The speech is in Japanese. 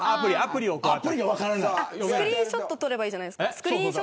スクリーンショットを撮ればいいじゃないですか。